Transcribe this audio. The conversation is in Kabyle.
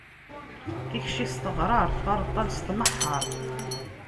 Tikci s teɣṛaṛt, areṭṭal s tmeḥḥaṛt.